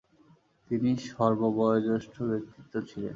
তিনি সর্ববয়োঃজ্যেষ্ঠ ব্যক্তিত্ব ছিলেন।